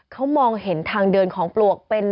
เขามองเห็นทางเดินของปลวกเป็น